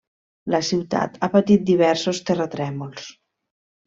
La ciutat ha patit diversos terratrèmols.